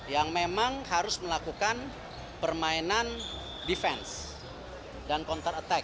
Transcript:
yang memang harus melakukan permainan defense dan counter attack